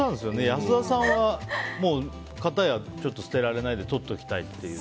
安田さんはかたや捨てられないでとっておきたいっていう。